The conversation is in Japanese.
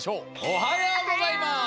おはようございます。